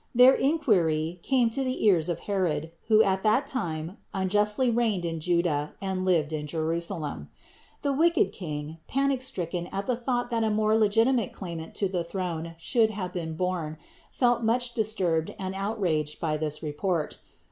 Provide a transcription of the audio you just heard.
Their inquiry came to the ears of Herod, who at that time unjustly reigned in Judea and lived in Jerusalem. The wicked king, panic stricken at the thought that a more legitimate claimant to the throne should have been born, felt much disturbed and outraged by this report.